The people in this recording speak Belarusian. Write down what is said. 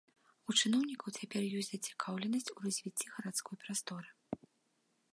У чыноўнікаў цяпер ёсць зацікаўленасць у развіцці гарадской прасторы.